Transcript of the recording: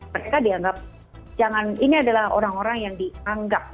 mereka dianggap jangan ini adalah orang orang yang dianggap